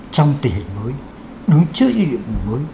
trong tỉ hình mới đứng trước lực lượng mới